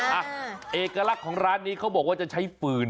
เอกลักษณ์ของร้านนี้เขาบอกว่าจะใช้ฟืน